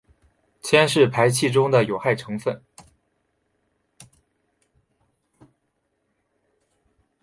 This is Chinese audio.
铅是排气中的有害成分。